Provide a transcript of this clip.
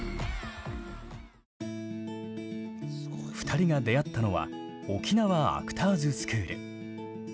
２人が出会ったのは沖縄アクターズスクール。